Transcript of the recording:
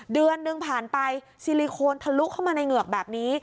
เดือนหนึ่งผ่านไปซิลิโคนทะลุเข้ามาในเหงือกแบบนี้